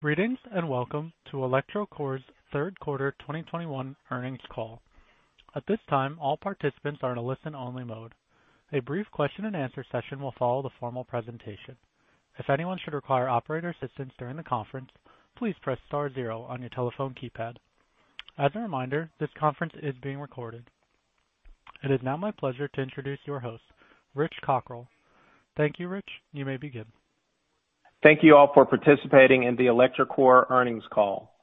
Greetings, and welcome to electroCore's third quarter 2021 earnings call. At this time, all participants are in a listen-only mode. A brief question and answer session will follow the formal presentation. If anyone should require operator assistance during the conference, please press star zero on your telephone keypad. As a reminder, this conference is being recorded. It is now my pleasure to introduce your host, Rich Cockrell. Thank you, Rich. You may begin. Thank you all for participating in the electroCore earnings call.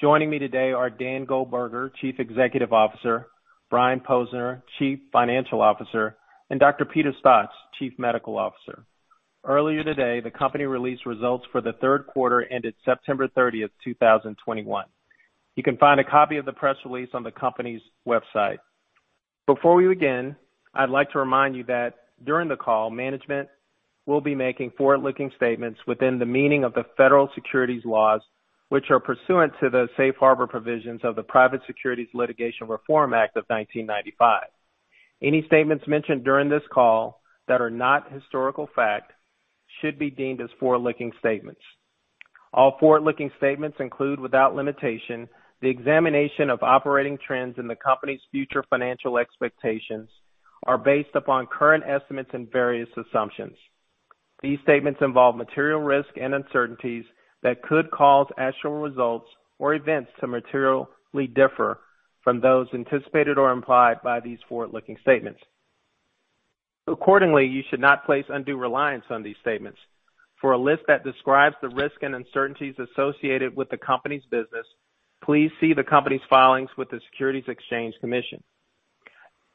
Joining me today are Dan Goldberger, Chief Executive Officer, Brian Posner, Chief Financial Officer, and Dr. Peter Staats, Chief Medical Officer. Earlier today, the company released results for the third quarter ended September 30, 2021. You can find a copy of the press release on the company's website. Before we begin, I'd like to remind you that during the call, management will be making forward-looking statements within the meaning of the federal securities laws, which are pursuant to the safe harbor provisions of the Private Securities Litigation Reform Act of 1995. Any statements mentioned during this call that are not historical facts should be deemed as forward-looking statements. All forward-looking statements include, without limitation, the examination of operating trends in the company's future financial expectations are based upon current estimates and various assumptions. These statements involve material risks and uncertainties that could cause actual results or events to materially differ from those anticipated or implied by these forward-looking statements. Accordingly, you should not place undue reliance on these statements. For a list that describes the risks and uncertainties associated with the company's business, please see the company's filings with the Securities and Exchange Commission.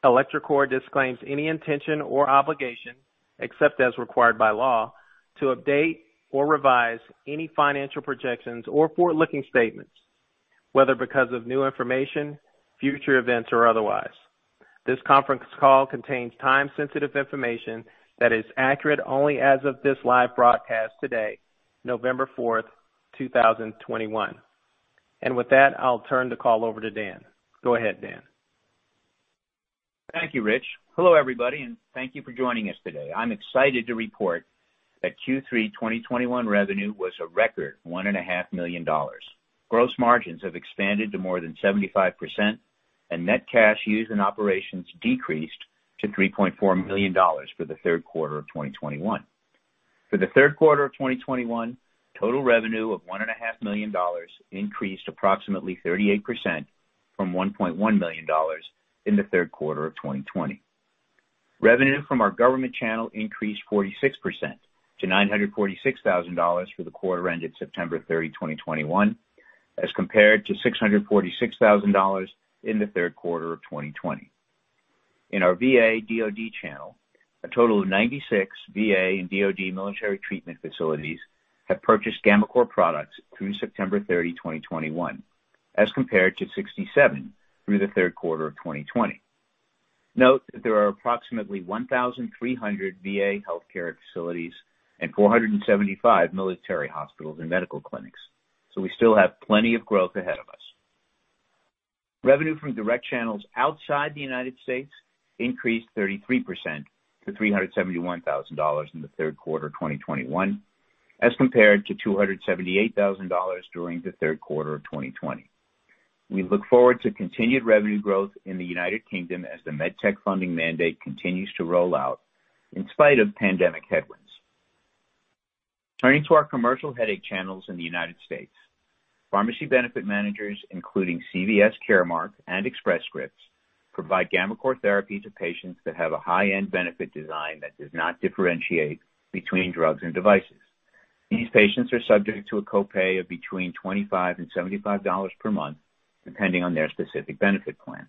electroCore disclaims any intention or obligation, except as required by law, to update or revise any financial projections or forward-looking statements, whether because of new information, future events, or otherwise. This conference call contains time-sensitive information that is accurate only as of this live broadcast today, November fourth, two thousand twenty-one. With that, I'll turn the call over to Dan. Go ahead, Dan. Thank you, Rich. Hello, everybody, and thank you for joining us today. I'm excited to report that Q3 2021 revenue was a record $1.5 million. Gross margins have expanded to more than 75% and net cash used in operations decreased to $3.4 million for the third quarter of 2021. For the third quarter of 2021, total revenue of $1.5 million increased approximately 38% from $1.1 million in the third quarter of 2020. Revenue from our government channel increased 46% to $946,000 for the quarter ended September 30, 2021, as compared to $646,000 in the third quarter of 2020. In our VA/DoD channel, a total of 96 VA and DoD military treatment facilities have purchased gammaCore products through September 30, 2021, as compared to 67 through the third quarter of 2020. Note that there are approximately 1,300 VA healthcare facilities and 475 military hospitals and medical clinics, so we still have plenty of growth ahead of us. Revenue from direct channels outside the United States increased 33% to $371,000 in the third quarter of 2021, as compared to $278,000 during the third quarter of 2020. We look forward to continued revenue growth in the United Kingdom as the MedTech Funding Mandate continues to roll out in spite of pandemic headwinds. Turning to our commercial headache channels in the United States. Pharmacy benefit managers, including CVS Caremark and Express Scripts, provide gammaCore therapy to patients that have a high-end benefit design that does not differentiate between drugs and devices. These patients are subject to a copay of between $25-$75 per month, depending on their specific benefit plan.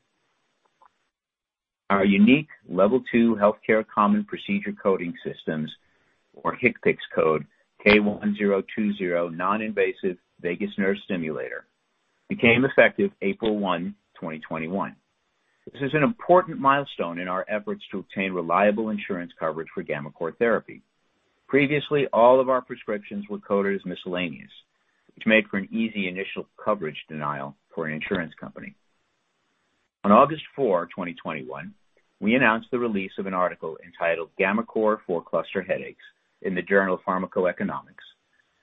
Our unique level two healthcare common procedure coding systems or HCPCS code K1020 non-invasive vagus nerve stimulator became effective April 1, 2021. This is an important milestone in our efforts to obtain reliable insurance coverage for gammaCore therapy. Previously, all of our prescriptions were coded as miscellaneous, which made for an easy initial coverage denial for an insurance company. On August 4, 2021, we announced the release of an article entitled GammaCore for Cluster Headaches in the PharmacoEconomics - Open,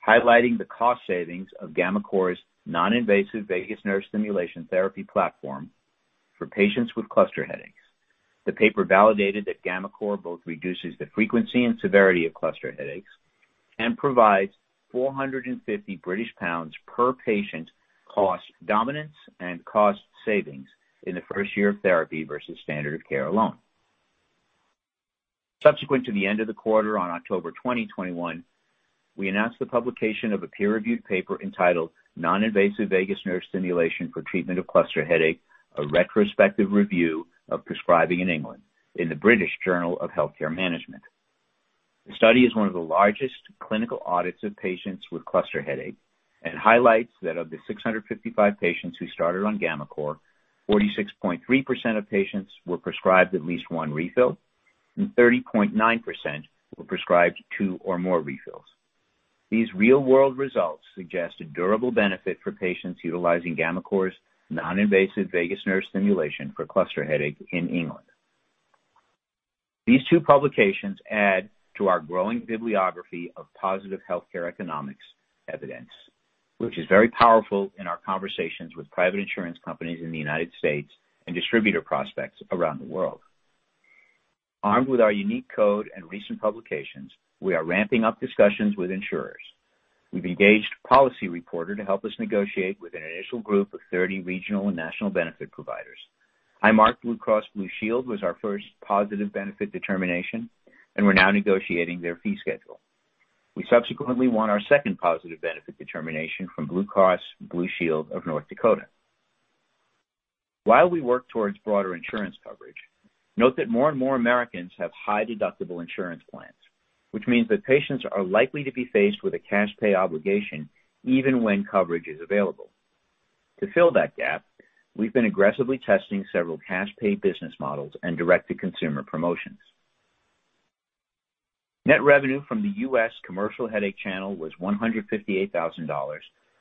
highlighting the cost savings of gammaCore's non-invasive vagus nerve stimulation therapy platform for patients with cluster headaches. The paper validated that gammaCore both reduces the frequency and severity of cluster headaches and provides 450 British pounds per patient cost dominance and cost savings in the first year of therapy versus standard of care alone. Subsequent to the end of the quarter on October 20, 2021, we announced the publication of a peer-reviewed paper entitled Non-Invasive Vagus Nerve Stimulation for Treatment of Cluster Headache: A Retrospective Review of Prescribing in England in the British Journal of Healthcare Management. The study is one of the largest clinical audits of patients with cluster headache and highlights that of the 655 patients who started on gammaCore, 46.3% of patients were prescribed at least one refill, and 30.9% were prescribed two or more refills. These real-world results suggest a durable benefit for patients utilizing gammaCore's non-invasive vagus nerve stimulation for cluster headache in England. These two publications add to our growing bibliography of positive healthcare economics evidence, which is very powerful in our conversations with private insurance companies in the United States and distributor prospects around the world. Armed with our unique code and recent publications, we are ramping up discussions with insurers. We've engaged Policy Reporter to help us negotiate with an initial group of 30 regional and national benefit providers. Highmark Blue Cross Blue Shield was our first positive benefit determination, and we're now negotiating their fee schedule. We subsequently won our second positive benefit determination from Blue Cross Blue Shield of North Dakota. While we work towards broader insurance coverage, note that more and more Americans have high-deductible insurance plans, which means that patients are likely to be faced with a cash pay obligation even when coverage is available. To fill that gap, we've been aggressively testing several cash pay business models and direct-to-consumer promotions. Net revenue from the U.S. commercial headache channel was $158,000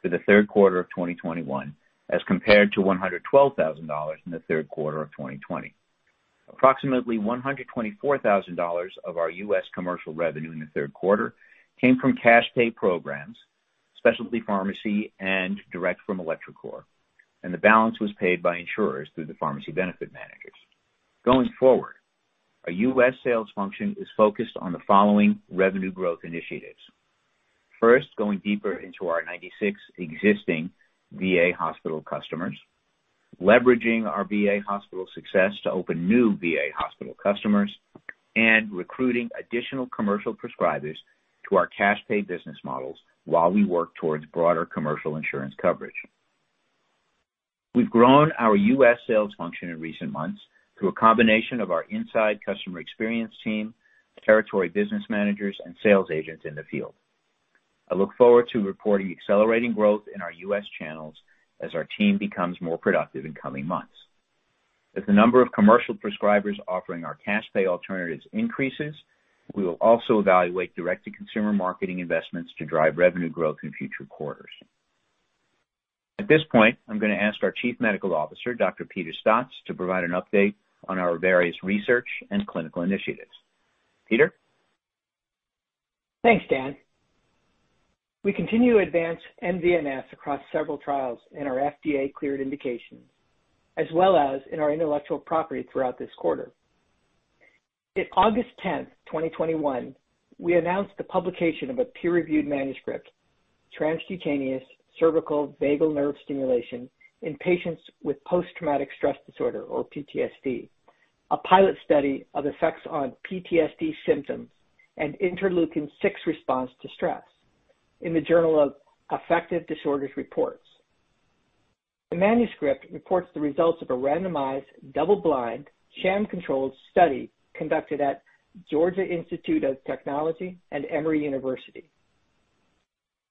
for the third quarter of 2021, as compared to $112,000 in the third quarter of 2020. Approximately $124,000 of our U.S. commercial revenue in the third quarter came from cash pay programs, specialty pharmacy, and direct from electroCore, and the balance was paid by insurers through the pharmacy benefit managers. Going forward, our U.S. sales function is focused on the following revenue growth initiatives. First, going deeper into our 96 existing VA hospital customers, leveraging our VA hospital success to open new VA hospital customers, and recruiting additional commercial prescribers to our cash pay business models while we work towards broader commercial insurance coverage. We've grown our U.S. sales function in recent months through a combination of our inside customer experience team, territory business managers, and sales agents in the field. I look forward to reporting accelerating growth in our U.S. channels as our team becomes more productive in coming months. As the number of commercial prescribers offering our cash pay alternatives increases, we will also evaluate direct-to-consumer marketing investments to drive revenue growth in future quarters. At this point, I'm going to ask our Chief Medical Officer, Dr. Peter Staats, to provide an update on our various research and clinical initiatives. Peter. Thanks, Dan. We continue to advance nVNS across several trials in our FDA-cleared indication, as well as in our intellectual property throughout this quarter. In August 10, 2021, we announced the publication of a peer-reviewed manuscript, Transcutaneous Cervical Vagal Nerve Stimulation in Patients with Post-Traumatic Stress Disorder, or PTSD, a pilot study of effects on PTSD symptoms and interleukin-6 response to stress in the Journal of Affective Disorders Reports. The manuscript reports the results of a randomized, double-blind, sham-controlled study conducted at Georgia Institute of Technology and Emory University.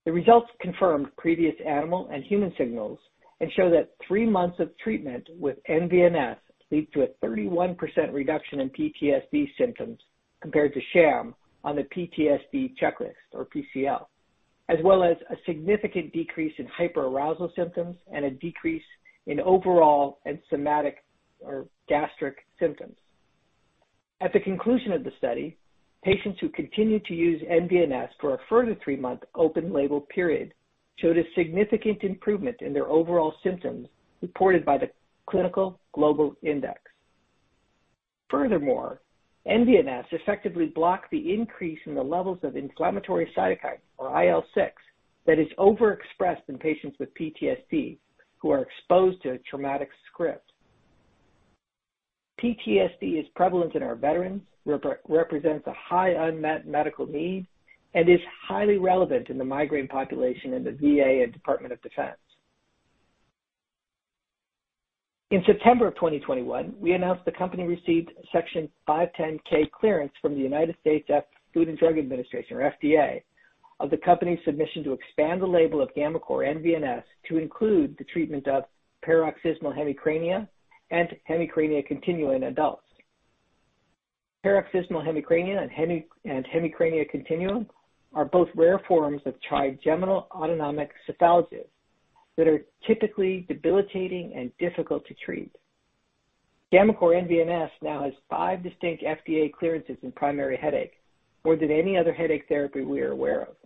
The results confirmed previous animal and human signals and show that three months of treatment with nVNS leads to a 31% reduction in PTSD symptoms compared to sham on the PTSD checklist, or PCL, as well as a significant decrease in hyperarousal symptoms and a decrease in overall and somatic or gastric symptoms. At the conclusion of the study, patients who continued to use nVNS for a further three-month open label period showed a significant improvement in their overall symptoms reported by the Clinical Global Impression. Furthermore, nVNS effectively blocked the increase in the levels of inflammatory cytokine, or IL-6, that is overexpressed in patients with PTSD who are exposed to a traumatic script. PTSD is prevalent in our veterans, represents a high unmet medical need, and is highly relevant in the migraine population in the VA and Department of Defense. In September 2021, we announced the company received 510(k) clearance from the United States Food and Drug Administration, or FDA, of the company's submission to expand the label of gammaCore nVNS to include the treatment of paroxysmal hemicrania and hemicrania continua in adults. Paroxysmal hemicrania and hemicrania continua are both rare forms of trigeminal autonomic cephalalgia that are typically debilitating and difficult to treat. gammaCore nVNS now has five distinct FDA clearances in primary headache, more than any other headache therapy we are aware of.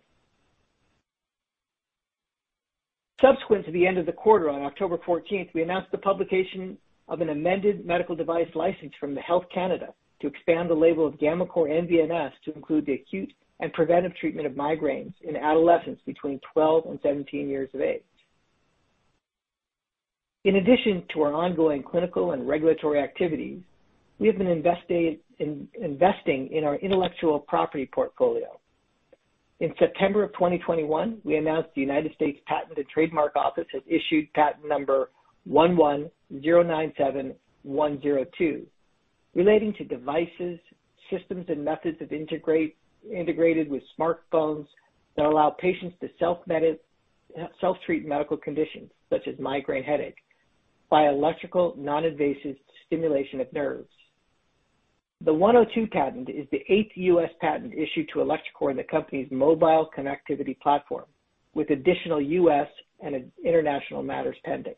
Subsequent to the end of the quarter on October fourteenth, we announced the publication of an amended medical device license from Health Canada to expand the label of gammaCore nVNS to include the acute and preventive treatment of migraines in adolescents between 12 and 17 years of age. In addition to our ongoing clinical and regulatory activities, we have been investing in our intellectual property portfolio. In September 2021, we announced the United States Patent and Trademark Office has issued patent number 11,097,102, relating to devices, systems, and methods of integrated with smartphones that allow patients to self-treat medical conditions such as migraine headache by electrical non-invasive stimulation of nerves. The 102 patent is the eighth U.S. patent issued to electroCore in the company's mobile connectivity platform, with additional U.S. and international matters pending.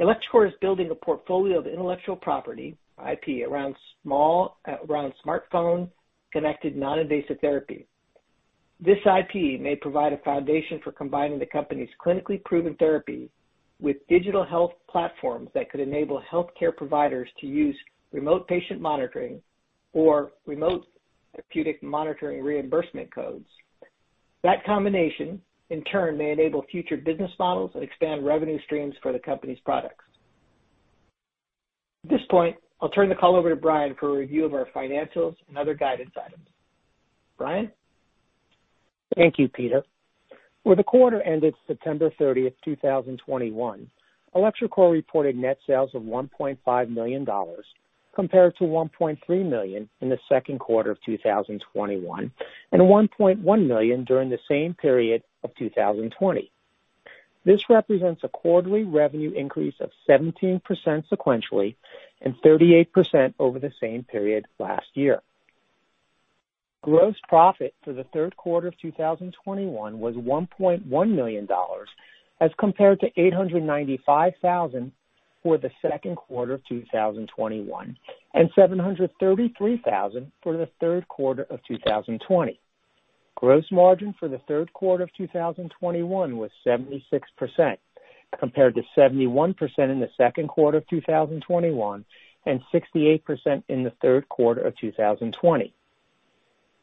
electroCore is building a portfolio of intellectual property, IP, around smartphone connected non-invasive therapy. This IP may provide a foundation for combining the company's clinically proven therapy with digital health platforms that could enable healthcare providers to use remote patient monitoring or remote therapeutic monitoring reimbursement codes. That combination, in turn, may enable future business models and expand revenue streams for the company's products. At this point, I'll turn the call over to Brian Posner for a review of our financials and other guidance items. Brian? Thank you, Peter. For the quarter ended September 30, 2021, electroCore reported net sales of $1.5 million compared to $1.3 million in the second quarter of 2021, and $1.1 million during the same period of 2020. This represents a quarterly revenue increase of 17% sequentially and 38% over the same period last year. Gross profit for the third quarter of 2021 was $1.1 million, as compared to $895,000 for the second quarter of 2021 and $733,000 for the third quarter of 2020. Gross margin for the third quarter of 2021 was 76%, compared to 71% in the second quarter of 2021 and 68% in the third quarter of 2020.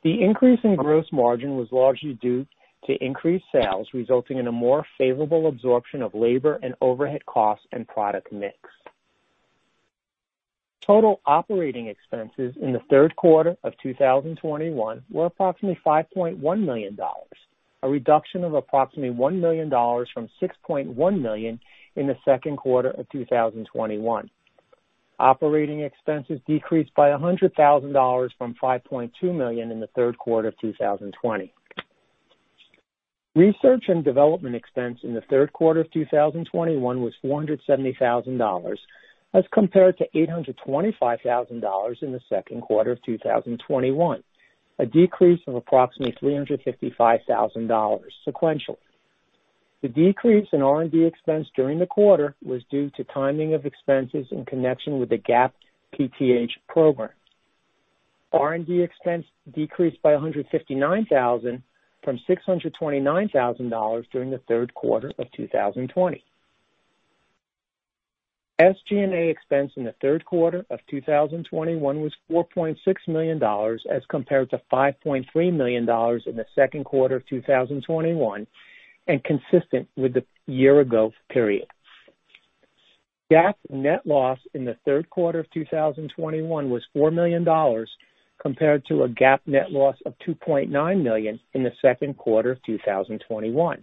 The increase in gross margin was largely due to increased sales, resulting in a more favorable absorption of labor and overhead costs and product mix. Total operating expenses in the third quarter of 2021 were approximately $5.1 million, a reduction of approximately $1 million from $6.1 million in the second quarter of 2021. Operating expenses decreased by $100,000 from $5.2 million in the third quarter of 2020. Research and development expense in the third quarter of 2021 was $470,000 as compared to $825,000 in the second quarter of 2021, a decrease of approximately $355,000 sequentially. The decrease in R&D expense during the quarter was due to timing of expenses in connection with the GAP-PTH program. R&D expense decreased by $159,000 from $629,000 during the third quarter of 2020. SG&A expense in the third quarter of 2021 was $4.6 million as compared to $5.3 million in the second quarter of 2021, and consistent with the year ago period. GAAP net loss in the third quarter of 2021 was $4 million, compared to a GAAP net loss of $2.9 million in the second quarter of 2021.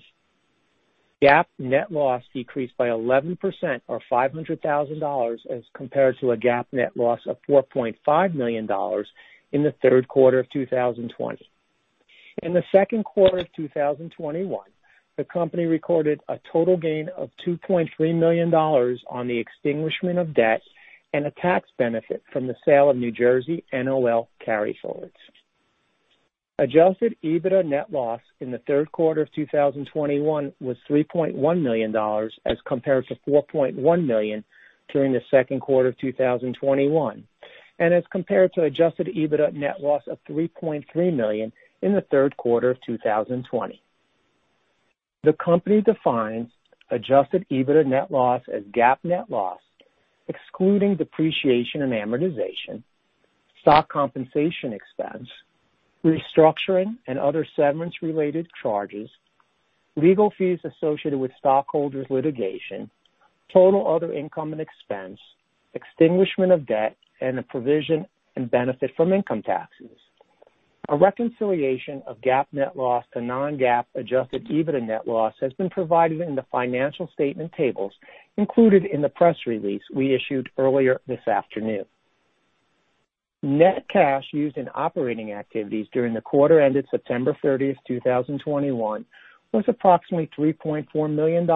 GAAP net loss decreased by 11% or $500,000 as compared to a GAAP net loss of $4.5 million in the third quarter of 2020. In the second quarter of 2021, the company recorded a total gain of $2.3 million on the extinguishment of debt and a tax benefit from the sale of New Jersey NOL carryforwards. Adjusted EBITDA net loss in the third quarter of 2021 was $3.1 million as compared to $4.1 million during the second quarter of 2021, and as compared to Adjusted EBITDA net loss of $3.3 million in the third quarter of 2020. The company defines Adjusted EBITDA net loss as GAAP net loss, excluding depreciation and amortization, stock compensation expense, restructuring and other severance-related charges, legal fees associated with stockholders' litigation, total other income and expense, extinguishment of debt, and the provision and benefit from income taxes. A reconciliation of GAAP net loss to non-GAAP Adjusted EBITDA net loss has been provided in the financial statement tables included in the press release we issued earlier this afternoon. Net cash used in operating activities during the quarter ended September 30, 2021 was approximately $3.4 million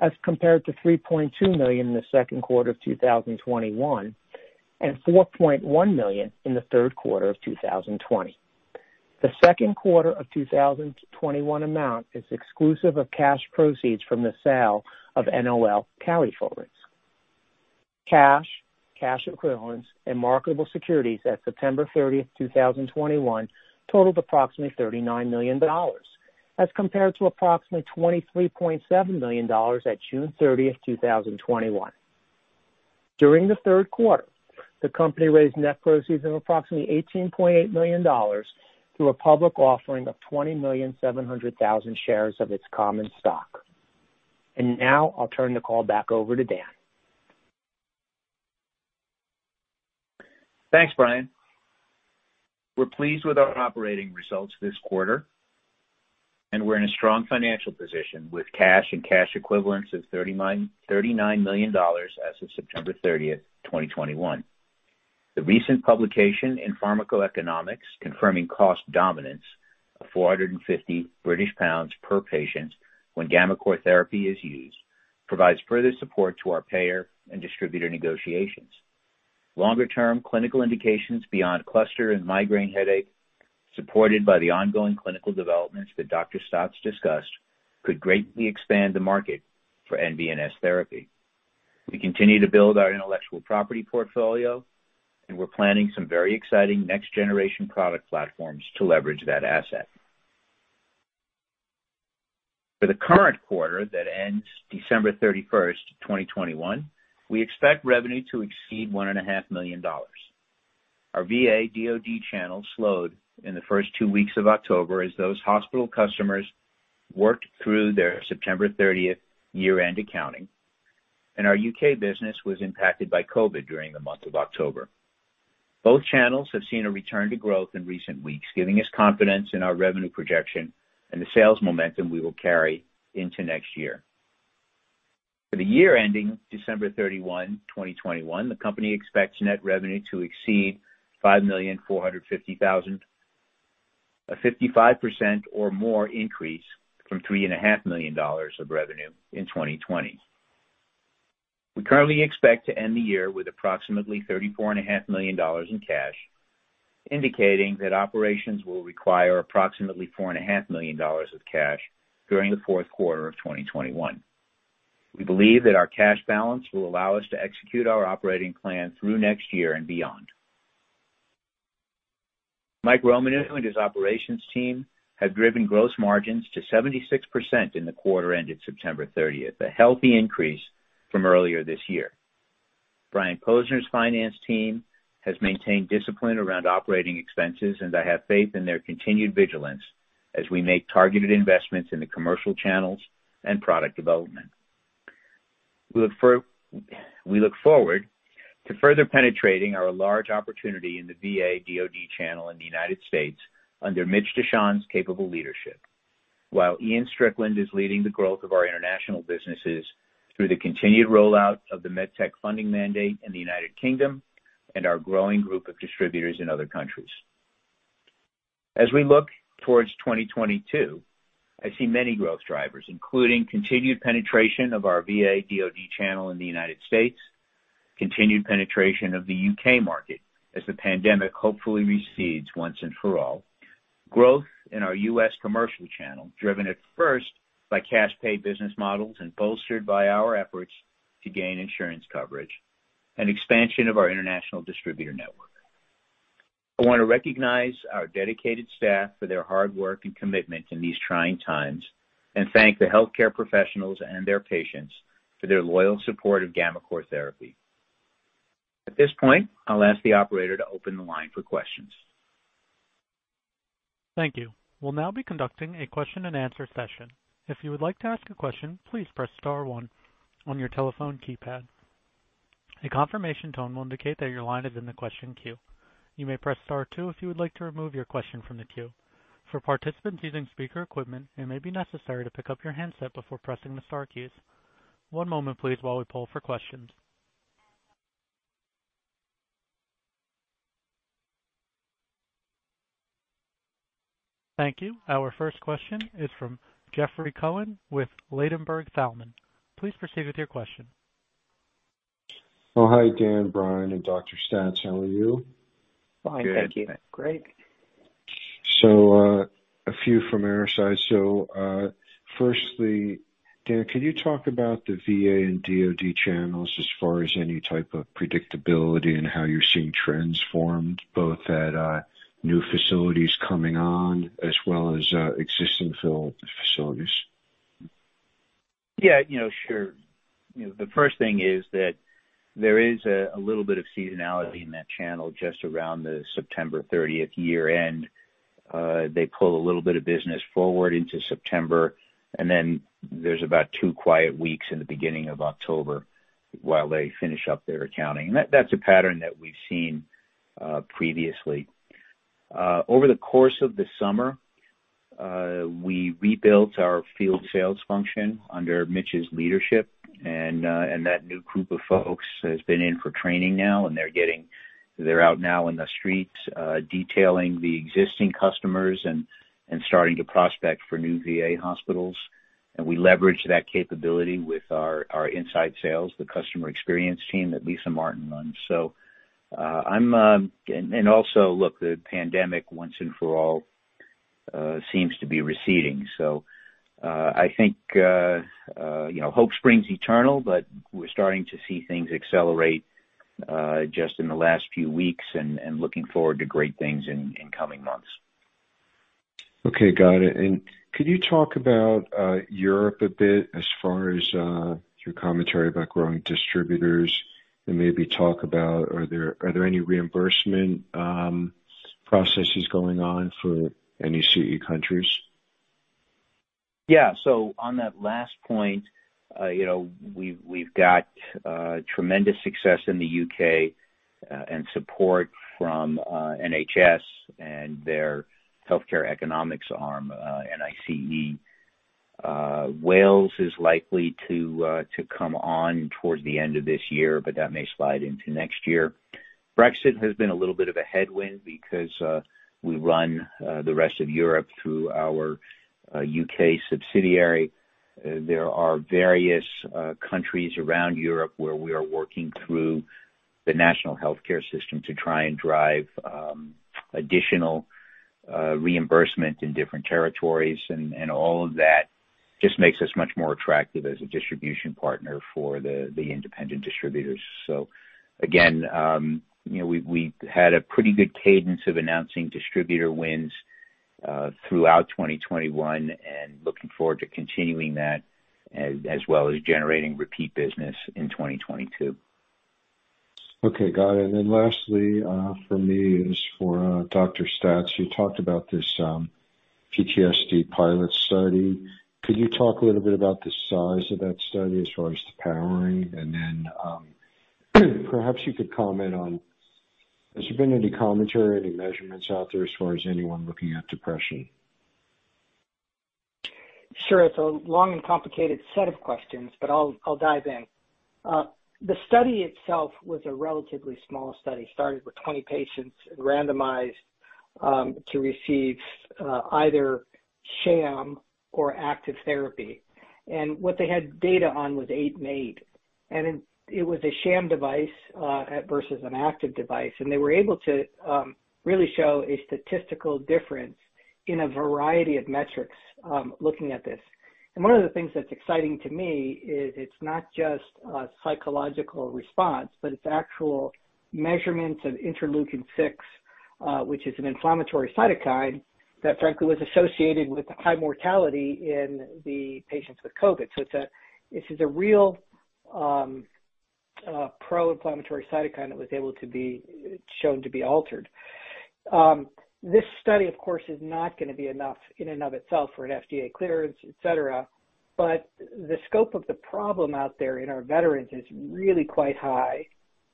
as compared to $3.2 million in the second quarter of 2021 and $4.1 million in the third quarter of 2020. The second quarter of 2021 amount is exclusive of cash proceeds from the sale of NOL carryforwards. Cash, cash equivalents and marketable securities at September 30, 2021 totaled approximately $39 million as compared to approximately $23.7 million at June 30, 2021. During the third quarter, the company raised net proceeds of approximately $18.8 million through a public offering of 20.7 million shares of its common stock. Now I'll turn the call back over to Dan. Thanks, Brian. We're pleased with our operating results this quarter, and we're in a strong financial position with cash and cash equivalents of $39 million as of September 30, 2021. The recent publication in PharmacoEconomics confirming cost dominance of 450 British pounds per patient when gammaCore therapy is used provides further support to our payer and distributor negotiations. Longer term clinical indications beyond cluster and migraine headache, supported by the ongoing clinical developments that Dr. Staats discussed, could greatly expand the market for nVNS therapy. We continue to build our intellectual property portfolio, and we're planning some very exciting next-generation product platforms to leverage that asset. For the current quarter that ends December 31st, 2021, we expect revenue to exceed $1.5 million. Our VA/DoD channel slowed in the first two weeks of October as those hospital customers worked through their September 30th year-end accounting, and our U.K. business was impacted by COVID during the month of October. Both channels have seen a return to growth in recent weeks, giving us confidence in our revenue projection and the sales momentum we will carry into next year. For the year ending December 31, 2021, the company expects net revenue to exceed $5,450,000, a 55% or more increase from $3.5 million of revenue in 2020. We currently expect to end the year with approximately $34.5 million in cash, indicating that operations will require approximately $4.5 million of cash during the fourth quarter of 2021. We believe that our cash balance will allow us to execute our operating plan through next year and beyond. Mike Romaniw and his operations team have driven gross margins to 76% in the quarter ended September 30th, a healthy increase from earlier this year. Brian Posner's finance team has maintained discipline around operating expenses, and I have faith in their continued vigilance as we make targeted investments in the commercial channels and product development. We look forward to further penetrating our large opportunity in the VA/DoD channel in the United States under Mitch DeShon's capable leadership. While Ian Strickland is leading the growth of our international businesses through the continued rollout of the MedTech Funding Mandate in the United Kingdom and our growing group of distributors in other countries. As we look towards 2022, I see many growth drivers, including continued penetration of our VA/DoD channel in the United States, continued penetration of the U.K. market as the pandemic hopefully recedes once and for all. Growth in our U.S. commercial channel, driven at first by cash paid business models and bolstered by our efforts to gain insurance coverage and expansion of our international distributor network. I wanna recognize our dedicated staff for their hard work and commitment in these trying times, and thank the healthcare professionals and their patients for their loyal support of gammaCore therapy. At this point, I'll ask the operator to open the line for questions. Thank you. Thank you. Our first question is from Jeffrey Cohen with Ladenburg Thalmann. Please proceed with your question. Oh, hi, Dan, Brian, and Dr. Staats. How are you? Fine, thank you. Good. Great. A few from our side. Firstly, Dan, can you talk about the VA and DoD channels as far as any type of predictability and how you're seeing trends formed, both at new facilities coming on as well as existing facilities? Yeah. You know, sure. You know, the first thing is that there is a little bit of seasonality in that channel just around the September 30 year-end. They pull a little bit of business forward into September, and then there's about two quiet weeks in the beginning of October while they finish up their accounting. That's a pattern that we've seen previously. Over the course of the summer, we rebuilt our field sales function under Mitch's leadership. That new group of folks has been in for training now, and they're out now in the streets, detailing the existing customers and starting to prospect for new VA hospitals. We leverage that capability with our inside sales, the customer experience team that Lisa Martin runs. I'm... Also, look, the pandemic once and for all seems to be receding. I think, you know, hope springs eternal, but we're starting to see things accelerate just in the last few weeks and looking forward to great things in coming months. Okay. Got it. Could you talk about Europe a bit as far as your commentary about growing distributors? Maybe talk about are there any reimbursement processes going on for any CE countries? Yeah. On that last point, you know, we've got tremendous success in the U.K., and support from NHS and their healthcare economics arm, NICE. Wales is likely to come on towards the end of this year, but that may slide into next year. Brexit has been a little bit of a headwind because we run the rest of Europe through our U.K. subsidiary. There are various countries around Europe where we are working through the national healthcare system to try and drive additional reimbursement in different territories. All of that just makes us much more attractive as a distribution partner for the independent distributors. Again, you know, we had a pretty good cadence of announcing distributor wins throughout 2021 and looking forward to continuing that as well as generating repeat business in 2022. Okay. Got it. Lastly, for me is for Dr. Staats. You talked about this PTSD pilot study. Could you talk a little bit about the size of that study as far as the powering? Then, perhaps you could comment on has there been any commentary, any measurements out there as far as anyone looking at depression? Sure. It's a long and complicated set of questions, but I'll dive in. The study itself was a relatively small study that started with 20 patients randomized to receive either sham or active therapy. What they had data on was eight and eight. It was a sham device versus an active device. They were able to really show a statistical difference in a variety of metrics looking at this. One of the things that's exciting to me is it's not just a psychological response, but it's actual measurements of interleukin-6, which is an inflammatory cytokine that frankly was associated with high mortality in the patients with COVID. This is a real pro-inflammatory cytokine that was able to be shown to be altered. This study, of course, is not gonna be enough in and of itself for an FDA clearance, et cetera, but the scope of the problem out there in our veterans is really quite high.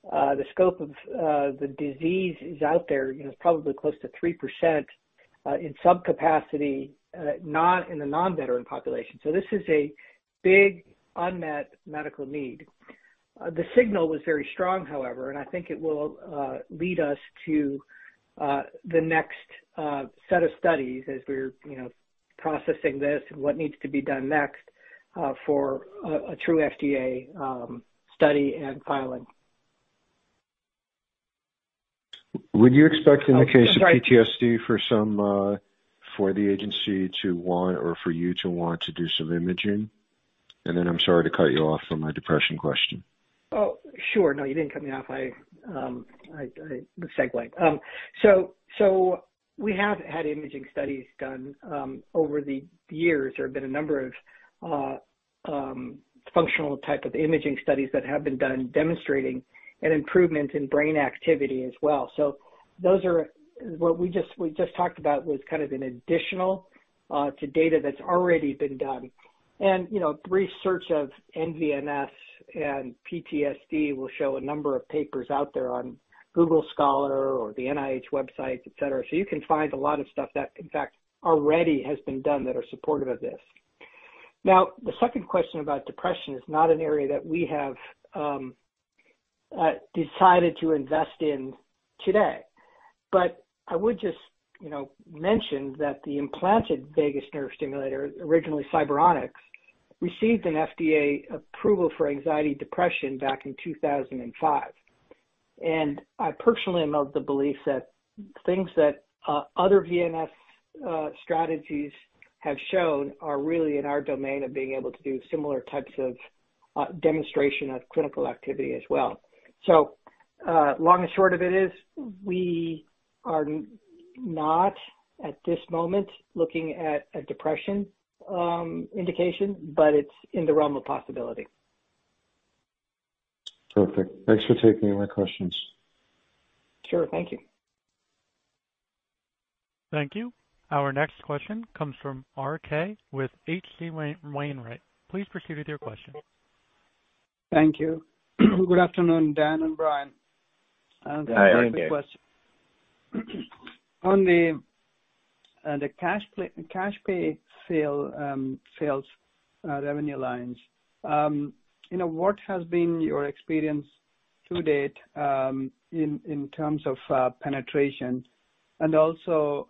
The scope of the disease is out there, you know, it's probably close to 3% in veterans, not in the non-veteran population. This is a big unmet medical need. The signal was very strong, however, and I think it will lead us to the next set of studies as we're, you know, processing this and what needs to be done next for a true FDA study and filing. Would you expect in the case of PTSD for some, for the agency to want or for you to want to do some imaging? I'm sorry to cut you off for my depression question. Oh, sure. No, you didn't cut me off. I segued. So we have had imaging studies done over the years. There have been a number of functional type of imaging studies that have been done demonstrating an improvement in brain activity as well. Those are what we just talked about was kind of an additional to data that's already been done. You know, research of nVNS and PTSD will show a number of papers out there on google scholar or the NIH websites, et cetera. You can find a lot of stuff that in fact already has been done that are supportive of this. Now, the second question about depression is not an area that we have decided to invest in today. I would just, you know, mention that the implanted vagus nerve stimulator, originally Cyberonics, received an FDA approval for depression back in 2005. I personally am of the belief that things that other VNS strategies have shown are really in our domain of being able to do similar types of demonstration of clinical activity as well. Long and short of it is we are not at this moment looking at a depression indication, but it's in the realm of possibility. Perfect. Thanks for taking my questions. Sure. Thank you. Thank you. Our next question comes from RK with H.C. Wainwright. Please proceed with your question. Thank you. Good afternoon, Dan and Brian. Hi, R.K. I have a quick question. On the cash pay sales revenue lines, you know, what has been your experience to date in terms of penetration? Also,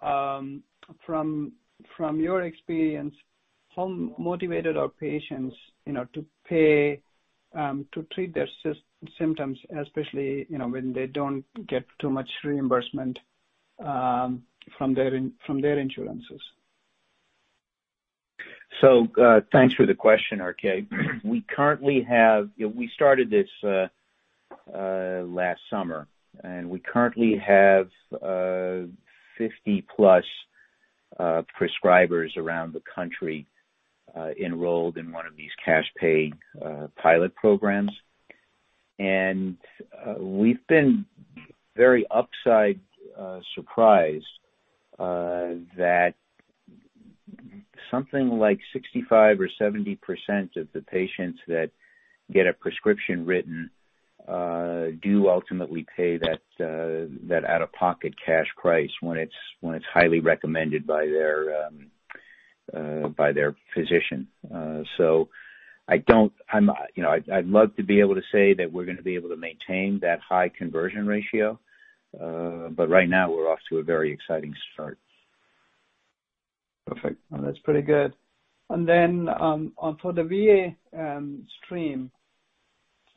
from your experience, how motivated are patients, you know, to pay to treat their symptoms, especially, you know, when they don't get too much reimbursement from their insurances? Thanks for the question, RK. We currently have. You know, we started this last summer, and we currently have 50+ prescribers around the country enrolled in one of these cash pay pilot programs. We've been very pleasantly surprised that something like 65% or 70% of the patients that get a prescription written do ultimately pay that out-of-pocket cash price when it's highly recommended by their physician. You know, I'd love to be able to say that we're gonna be able to maintain that high conversion ratio, but right now we're off to a very exciting start. Perfect. No, that's pretty good. For the VA stream,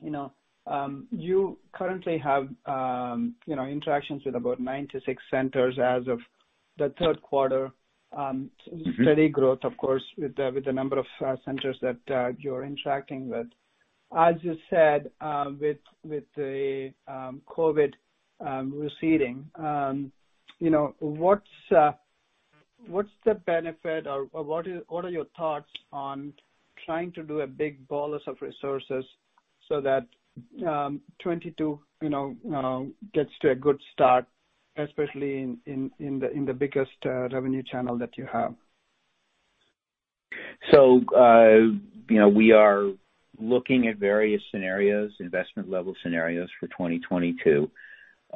you know, you currently have, you know, interactions with about 96 centers as of the third quarter. Mm-hmm. Steady growth of course with the number of centers that you're interacting with. As you said, with the COVID receding, you know, what's the benefit or what are your thoughts on trying to do a big bolus of resources so that 2022 gets to a good start, especially in the biggest revenue channel that you have? You know, we are looking at various scenarios, investment level scenarios for 2022.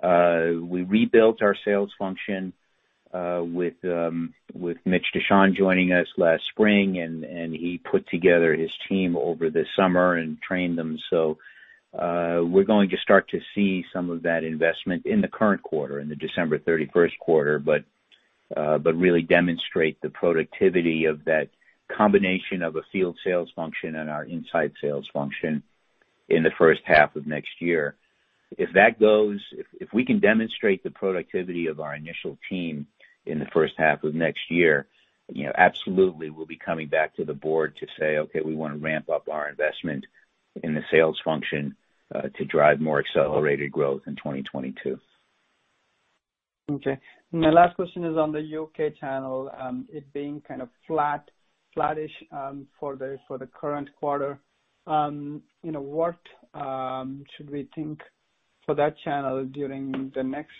We rebuilt our sales function with Mitch DeShon joining us last spring, and he put together his team over the summer and trained them. We're going to start to see some of that investment in the current quarter, in the December 31 quarter, but really demonstrate the productivity of that combination of a field sales function and our inside sales function in the first half of next year. If we can demonstrate the productivity of our initial team in the first half of next year, you know, absolutely, we'll be coming back to the board to say, "Okay, we wanna ramp up our investment in the sales function to drive more accelerated growth in 2022. Okay. My last question is on the U.K. channel, it being kind of flat, flattish, for the current quarter. You know, what should we think for that channel during the next,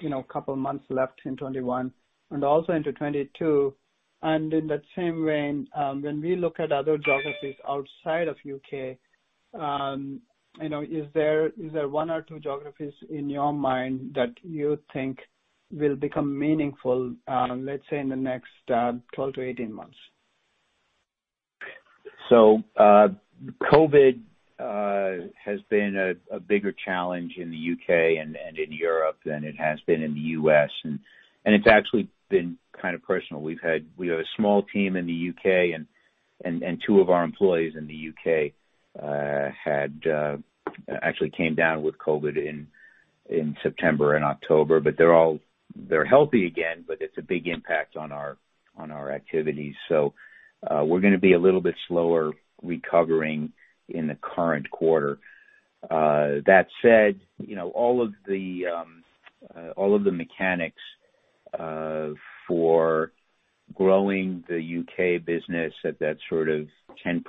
you know, couple months left in 2021 and also into 2022? In that same vein, when we look at other geographies outside of U.K., you know, is there one or two geographies in your mind that you think will become meaningful, let's say in the next, 12-18 months? COVID has been a bigger challenge in the U.K. and in Europe than it has been in the U.S. It's actually been kind of personal. We have a small team in the U.K. and two of our employees in the U.K. had actually came down with COVID in September and October, but they're healthy again, but it's a big impact on our activities. We're gonna be a little bit slower recovering in the current quarter. That said, all of the mechanics for growing the U.K. business at that sort of 10%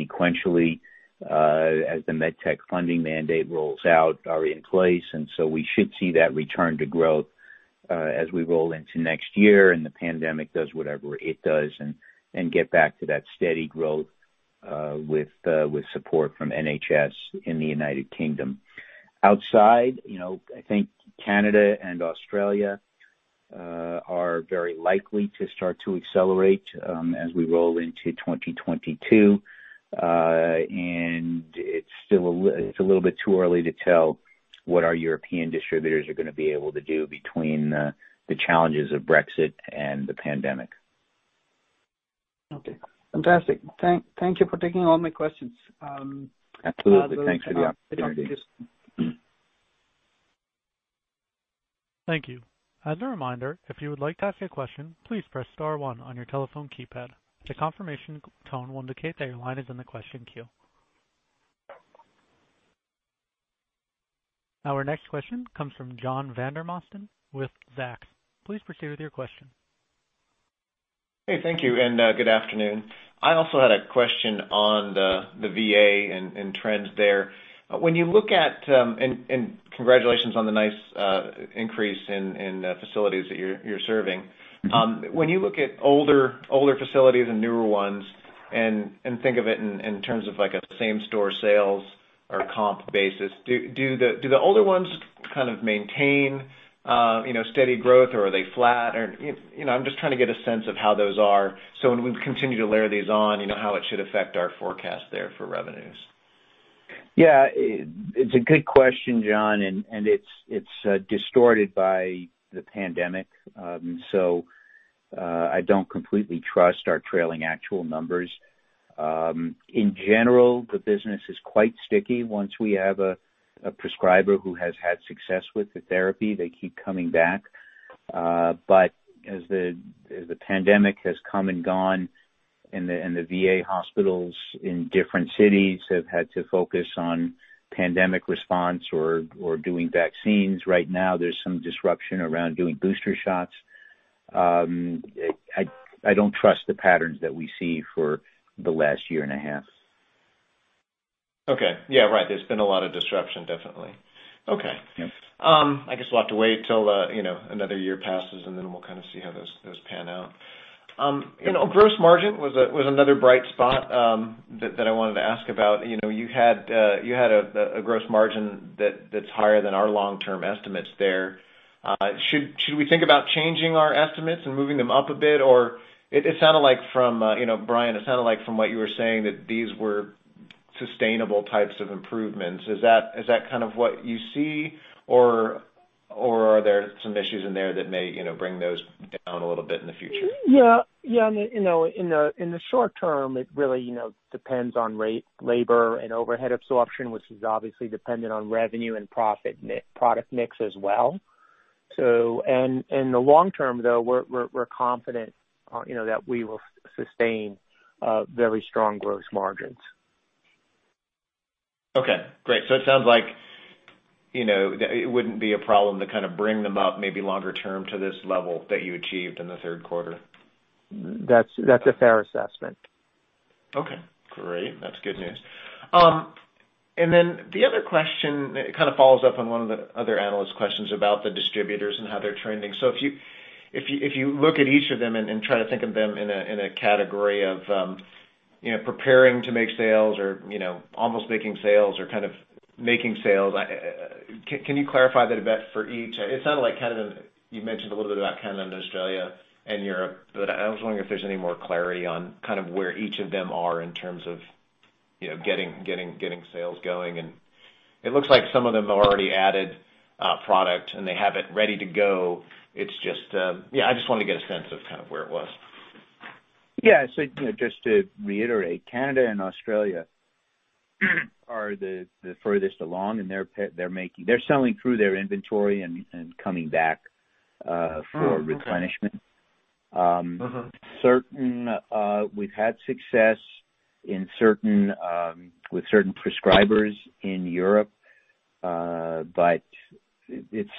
sequentially as the MedTech Funding Mandate rolls out are in place. We should see that return to growth, as we roll into next year and the pandemic does whatever it does and get back to that steady growth, with support from NHS in the United Kingdom. Outside, you know, I think Canada and Australia are very likely to start to accelerate, as we roll into 2022. It's still a little bit too early to tell what our European distributors are gonna be able to do between the challenges of Brexit and the pandemic. Okay. Fantastic. Thank you for taking all my questions. Absolutely. Thanks for the opportunity. Thank you. As a reminder, if you would like to ask a question, please press star one on your telephone keypad. The confirmation tone will indicate that your line is in the question queue. Our next question comes from John Vandermosten with Zacks. Please proceed with your question. Hey. Thank you, and good afternoon. I also had a question on the VA and trends there. Congratulations on the nice increase in facilities that you're serving. Mm-hmm. When you look at older facilities and newer ones and think of it in terms of like a same store sales or comp basis, do the older ones kind of maintain, you know, steady growth or are they flat or, you know, I'm just trying to get a sense of how those are, so when we continue to layer these on, you know, how it should affect our forecast there for revenues. It's a good question, John, and it's distorted by the pandemic. I don't completely trust our trailing actual numbers. In general, the business is quite sticky. Once we have a prescriber who has had success with the therapy, they keep coming back. As the pandemic has come and gone and the VA hospitals in different cities have had to focus on pandemic response or doing vaccines right now, there's some disruption around doing booster shots. I don't trust the patterns that we see for the last year and a half. Okay. Yeah. Right. There's been a lot of disruption, definitely. Okay. Yeah. I guess we'll have to wait till you know another year passes, and then we'll kind of see how those pan out. You know, gross margin was another bright spot that I wanted to ask about. You know, you had a gross margin that's higher than our long-term estimates there. Should we think about changing our estimates and moving them up a bit? Or it sounded like from you know Brian what you were saying that these were sustainable types of improvements, is that kind of what you see? Or are there some issues in there that may you know bring those down a little bit in the future? Yeah. You know, in the short term, it really, you know, depends on rate, labor and overhead absorption, which is obviously dependent on revenue and product mix as well. In the long term, though, we're confident, you know, that we will sustain very strong gross margins. Okay, great. It sounds like, you know, it wouldn't be a problem to kind of bring them up maybe longer term to this level that you achieved in the third quarter. That's a fair assessment. Okay, great. That's good news. Then the other question kind of follows up on one of the other analysts' questions about the distributors and how they're trending. If you look at each of them and try to think of them in a category of, you know, preparing to make sales or, you know, almost making sales or kind of making sales, can you clarify that a bit for each? It sounded like Canada. You mentioned a little bit about Canada and Australia and Europe, but I was wondering if there's any more clarity on kind of where each of them are in terms of, you know, getting sales going. It looks like some of them have already added product and they have it ready to go. It's just. Yeah, I just wanna get a sense of kind of where it was. Yeah. You know, just to reiterate, Canada and Australia are the furthest along, and they're selling through their inventory and coming back for replenishment. Okay. We've had success with certain prescribers in Europe. But it's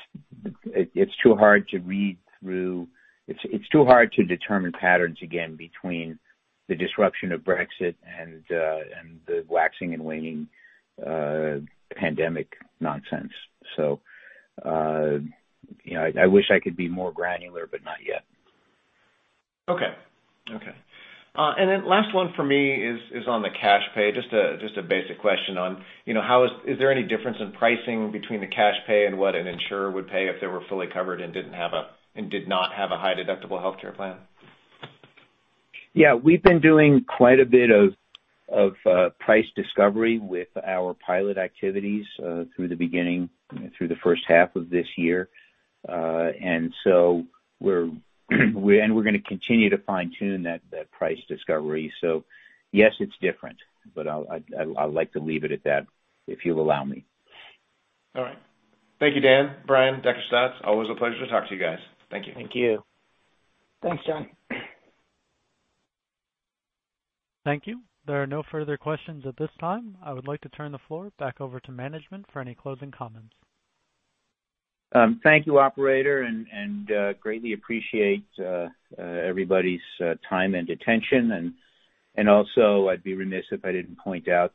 too hard to read through. It's too hard to determine patterns, again, between the disruption of Brexit and the waxing and waning pandemic nonsense. You know, I wish I could be more granular, but not yet. Last one for me is on the cash pay. Just a basic question on, you know, is there any difference in pricing between the cash pay and what an insurer would pay if they were fully covered and didn't have and did not have a high deductible healthcare plan? Yeah. We've been doing quite a bit of price discovery with our pilot activities through the beginning through the first half of this year. We're gonna continue to fine-tune that price discovery. Yes, it's different, but I'd like to leave it at that, if you'll allow me. All right. Thank you, Dan, Brian, Dr. Peter Staats. Always a pleasure to talk to you guys. Thank you. Thank you. Thanks, John. Thank you. There are no further questions at this time. I would like to turn the floor back over to management for any closing comments. Thank you, operator, and greatly appreciate everybody's time and attention. I'd be remiss if I didn't point out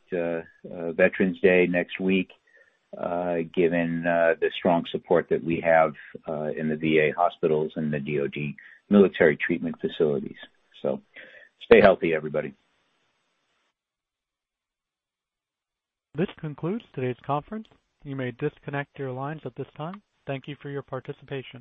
Veterans Day next week, given the strong support that we have in the VA hospitals and the DoD military treatment facilities. Stay healthy, everybody. This concludes today's conference. You may disconnect your lines at this time. Thank you for your participation.